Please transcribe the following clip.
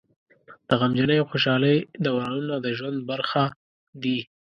د غمجنۍ او خوشحالۍ دورانونه د ژوند برخه دي.